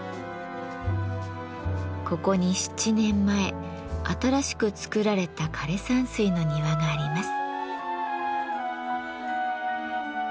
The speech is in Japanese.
ここに７年前新しく作られた枯山水の庭があります。